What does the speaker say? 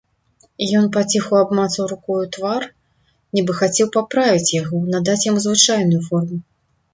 Ён паціху абмацаў рукою твар, нібы хацеў паправіць яго, надаць яму звычайную форму.